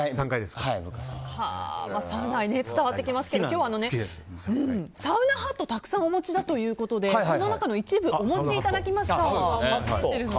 サウナ愛が伝わってきますが今日はサウナハットをたくさんお持ちだということでその中の一部をお持ちいただきました。